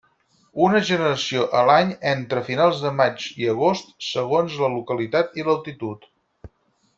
Una generació a l'any entre finals de maig i agost, segons la localitat i l'altitud.